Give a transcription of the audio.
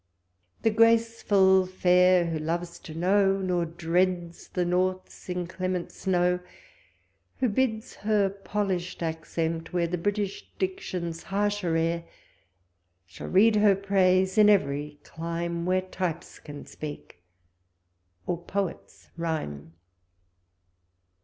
The graceful fair, wlio lovps to know, Nor dreads the nortli's incleiiieiit snoW; Who bids her polish'd aoeeiit wear The British diction's harsher air; Shall read her praise in every clime Where types can speali or poets rhyme.